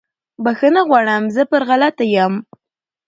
بخښنه غواړم زه پر غلطه یم